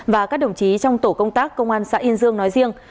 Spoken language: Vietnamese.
và các đồng chí trong tổ công tác công an xã yên dương nói riêng